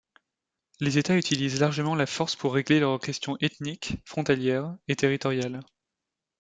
Les États utilisent largement la force pour régler leurs questions ethniques, frontalières et territoriales.